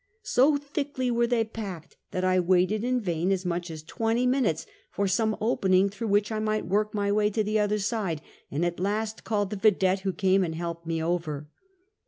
So thickly were they packed that I waited in vain, as much as twenty minutes, for some opening through which I might work my way to the other side, and at last called the vidette, who came and helped me over.